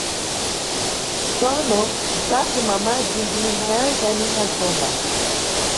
Tsono mkati mwa madzi ndinimbayancha ninga tsomba!